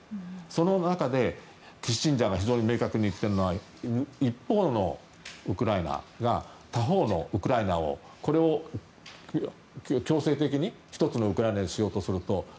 その中で、キッシンジャーが非常に明確に言ってるのが一方のウクライナが他方のウクライナをこれを強制的に１つのウクライナにしようとすると。